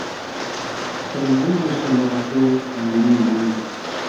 Tɔmbu bù sɔmaa ko yiru yiru.